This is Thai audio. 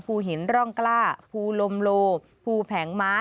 ภูหินร่องกล้าภูลมโลภูแผงม้า